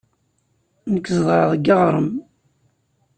Nekk zedɣeɣ deg yiɣrem.